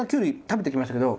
食べてきましたけど